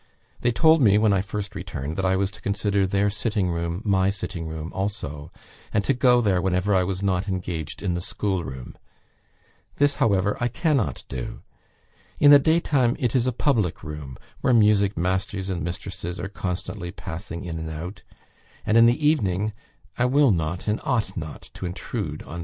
They told me, when I first returned, that I was to consider their sitting room my sitting room also, and to go there whenever I was not engaged in the schoolroom. This, however, I cannot do. In the daytime it is a public room, where music masters and mistresses are constantly passing in and out; and in the evening, I will not, and ought not to intrude on M.